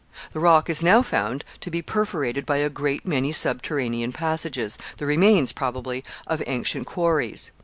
The rock is now found to be perforated by a great many subterranean passages, the remains, probably, of ancient quarries.